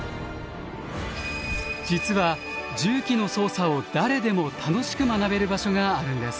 実は重機の操作を誰でも楽しく学べる場所があるんです。